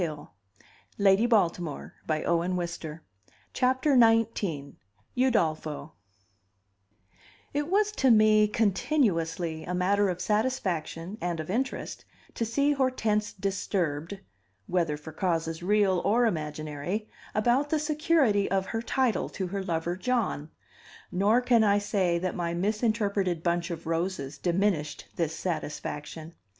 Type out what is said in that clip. Had John returned the compliment then, or since? XIX: Udolpho It was to me continuously a matter of satisfaction and of interest to see Hortense disturbed whether for causes real or imaginary about the security of her title to her lover John, nor can I say that my misinterpreted bunch of roses diminished this satisfaction.